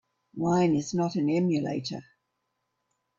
Wine is not an emulator.